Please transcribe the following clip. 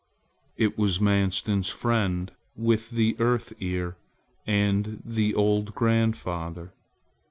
It was Manstin's friend with the Earth Ear and the old grandfather.